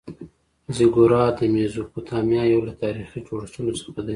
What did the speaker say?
زیګورات د میزوپتامیا یو له تاریخي جوړښتونو څخه دی.